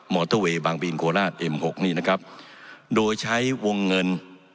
อเตอร์เวย์บางบีนโคราชเอ็มหกนี่นะครับโดยใช้วงเงิน